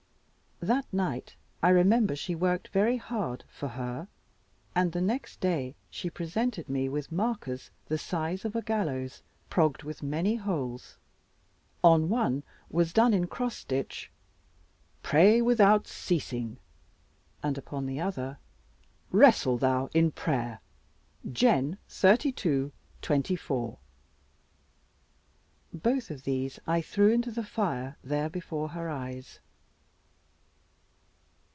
That night I remember she worked very hard, for her; and the next day she presented me with markers the size of a gallows, progged with many holes; on one was done in cross stitch, "Pray without ceasing," and upon the other "Wrestle thou in prayer. Gen. xxxii. 24." Both of these I threw into the fire there before her eyes.